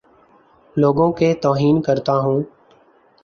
لوگوں کے توہین کرتا ہوں